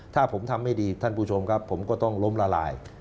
ถ้าผมทำไม่ดีท่านผู้ชมครับผมก็ต้องล้มละลาย